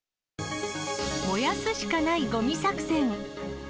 燃やすしかないごみ作戦。